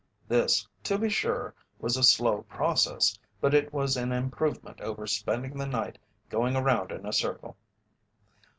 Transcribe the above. This, to be sure, was a slow process, but it was an improvement over spending the night going around in a circle.